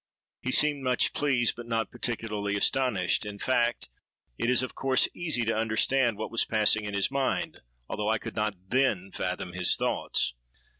He seemed much pleased, but not particularly astonished. In fact, it is of course easy to understand what was passing in his mind, although I could not then fathom his thoughts.